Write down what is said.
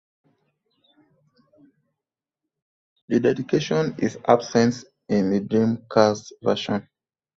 The dedication is absent in the Dreamcast version.